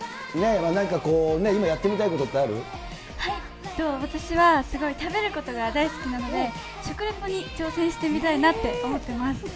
なんかこうね、今やってみたいこ私はすごい食べることが大好きなので、食レポに挑戦してみたいなと思ってます。